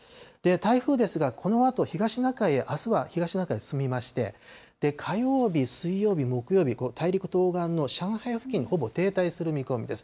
台風ですが、このあと東シナ海へ、あすは東シナ海へ進みまして、火曜日、水曜日、木曜日、大陸東岸の上海付近にほぼ停滞する見込みです。